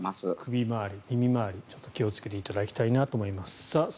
耳周り、首周り気をつけていただきたいと思います。